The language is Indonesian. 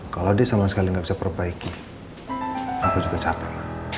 kalau dia sama sekali nggak bisa perbaiki aku juga capek